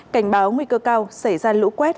cảnh báo nguy cơ cao xảy ra lũ quét